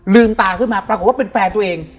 ตาขึ้นมาปรากฏว่าเป็นแฟนตัวเอง